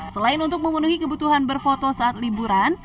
selain untuk memenuhi kebutuhan berfoto saat liburan